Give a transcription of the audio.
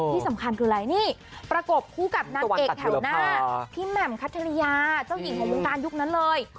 ที่สำคัญคืออะไรนี่ประกบคู่กับนางเอกแถวหน้าพี่แหม่มคัทริยาเจ้าหญิงของวงการยุคนั้นเลย